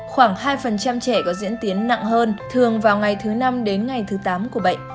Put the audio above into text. khoảng hai trẻ có diễn tiến nặng hơn thường vào ngày thứ năm đến ngày thứ tám của bệnh